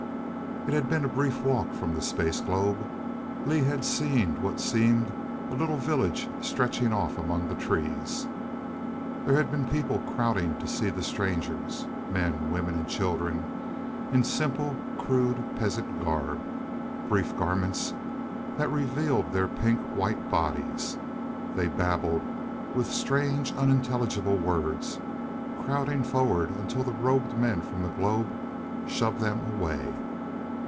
It had been a brief walk from the space globe. Lee had seen what seemed a little village stretching off among the trees. There had been people crowding to see the strangers men, women and children, in simple crude peasant garb brief garments that revealed their pink white bodies. They babbled with strange unintelligible words, crowding forward until the robed men from the globe shoved them away.